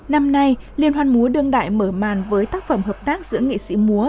năm nay liên hoan múa đương đại mở màn với tác phẩm hợp tác giữa nghệ sĩ múa